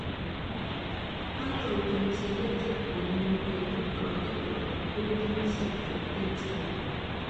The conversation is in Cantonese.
它就像是一隻永遠餵不飽的怪物般吞噬著一切